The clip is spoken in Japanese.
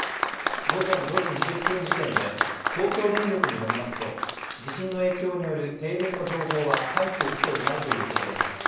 午前５時２０分時点で東京電力により増すと地震の影響による停電の情報は入ってきていないということです。